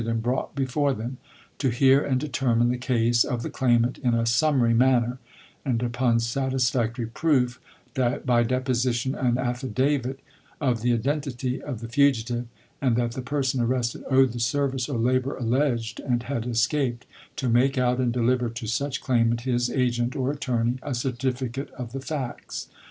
aud brought before them; to hear aud determine the case of the claimant in a summary manner, and upon satisfactory proof, by deposition and affi davit of the identity of the fugitive and that the person arrested owed the service or labor alleged and had escaped, to make out and deliver to such claimant, his agent or attorney, a certificate of the facts.